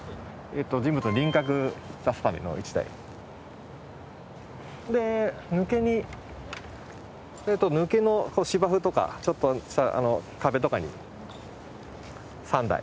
人物の輪郭を出すための１台。で抜けに抜けの芝生とかちょっとした壁とかに３台。